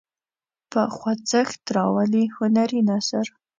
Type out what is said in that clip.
په خوځښت راولي هنري نثر.